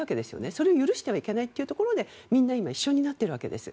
それを許してはいけないというところでみんな今、一緒になっているわけです。